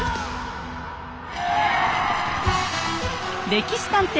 「歴史探偵」